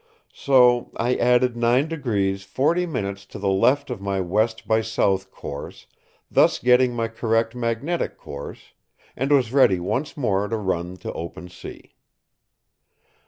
So I added 9° 40′ to the left of my west by south course, thus getting my correct Magnetic Course, and was ready once more to run to open sea.